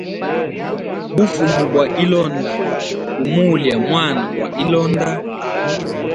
Bufumu bwa hilonda bumulya mwana gwa ilonda.